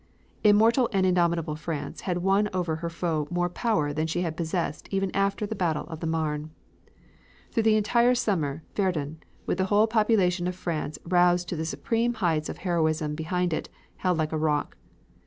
Immortal and indomitable France had won over her foe more power than she had possessed even after the battle of the Marne. Throughout the entire summer Verdun, with the whole population of France roused to the supreme heights of heroism behind it, held like a rock.